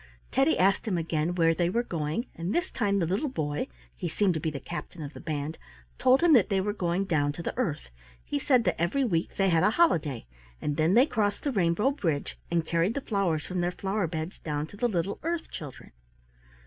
Teddy asked him again where they were going, and this time the little boy (he seemed to be the captain of the band) told him that they were going down to the earth. He said that every week they had a holiday, and then they crossed the rainbow bridge, and carried the flowers from their flower beds down to the little earth children.